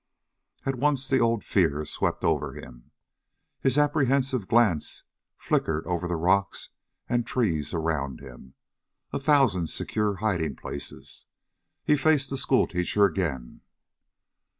At once the old fear swept over him. His apprehensive glance flickered over the rocks and trees around him a thousand secure hiding places. He faced the schoolteacher again.